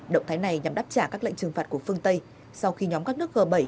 động thái này nhằm đáp trả các lệnh trừng phạt của phương tây sau khi nhóm các nước g bảy